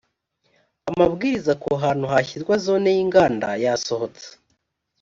amabwiriza ku hantu hashyirwa zone y’inganda yasohotse